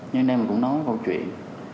nhưng đây mình cũng nói một câu chuyện